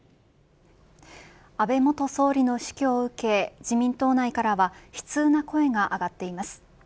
安倍元総理の死去を受け自民党内からは悲痛な声が上がっています。